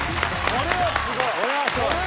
これはすごい。